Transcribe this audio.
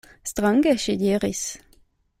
Strange, ŝi diris.